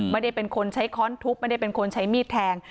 ไม่ได้เป็นคนใช้ค้อนทุบไม่ได้เป็นคนใช้มีดแทง